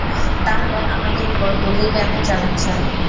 তাহলে আমাদের উপর গুলি কেন চালাচ্ছেন?